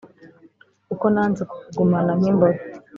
Kuko nanze kukugumana nkimbohe